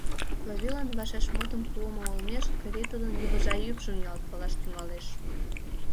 Клавилан вашеш мутым пуымо олмеш Кори тудын йывыжа ӱпшым ниялткалаш тӱҥалеш.